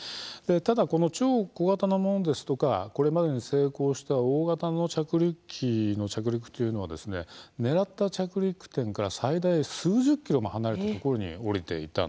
ただ、超小型のものですとかこれまでに成功した大型の着陸機の着陸というのは狙った着陸点から最大、数十ｋｍも離れたところに降りていたんですね。